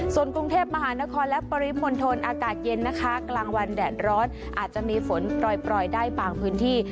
ส่วนกรุงเทพมหานครและปริมณฑลอากาศเย็นนะคะกลางวันแดดร้อนอาจจะมีฝนปล่อยได้บางพื้นที่